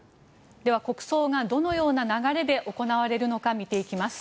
では、国葬がどのような流れで行われるのか見ていきます。